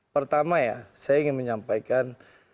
pertama ya saya ingin menyampaikan